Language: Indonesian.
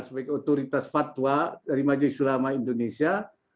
sebagai otoritas fatwa dari majelis ulama indonesia